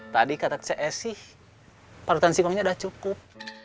tadi kata cs sih parutan singkongnya udah cukup